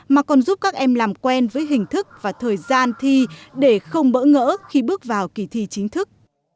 mà còn giúp các em làm quen với hình thức và thời gian thi để không bỡ ngỡ khi bước vào kỳ thi chính thức